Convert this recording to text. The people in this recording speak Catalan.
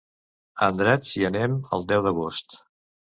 A Andratx hi anem el deu d'agost.